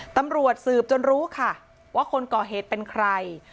ตำรวจสืบจนรู้ค่ะว่าคนก่อเหตุเป็นใคร